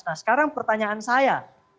nah sekarang pertanyaan saya